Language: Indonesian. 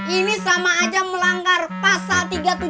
ini sama aja melanggar pasal tiga ratus tujuh puluh delapan